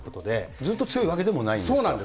ずっと強いわけでもないんでそうなんです。